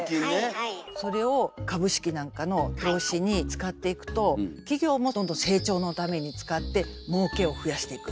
それを株式なんかの投資に使っていくと企業もどんどん成長のために使ってもうけを増やしていく。